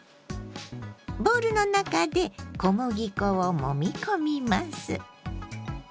ボウルの中で小麦粉をもみ込みます。